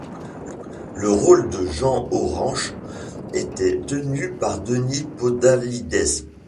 Le rôle de Jean Aurenche était tenu par Denis Podalydès.